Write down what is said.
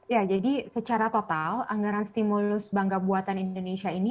ya jadi secara total anggaran stimulus bangga buatan indonesia ini